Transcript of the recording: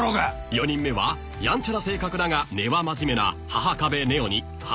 ［４人目はやんちゃな性格だが根は真面目な波々壁新音に］